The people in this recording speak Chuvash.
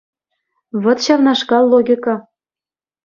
Вӑт ҫавнашкал логика.